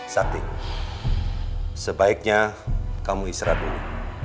sakti sebaiknya kamu israt dulu